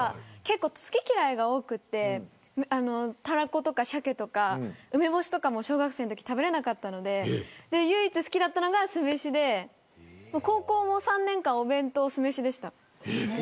結構好き嫌いが多くてたらことかシャケとか梅干しとかも小学生のとき食べれなかったのでそれで唯一好きだったのが酢飯で高校も３年間お弁当酢飯でした。